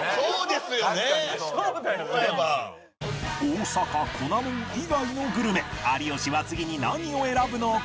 大阪粉モン以外のグルメ有吉は次に何を選ぶのか？